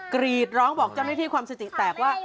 กรีดร้องบอกเจ้าหน้าที่ความสติแตกว่า